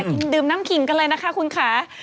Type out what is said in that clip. กินดื่มน้ำขิงกันเลยนะคะคุณค่ะ